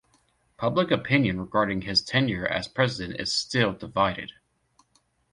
Public opinion regarding his tenure as president is still divided.